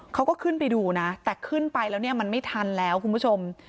เขาก็ขึ้นไปดูนะแต่ขึ้นไปแล้วเนี่ยมันไม่ทันแล้วคุณผู้ชม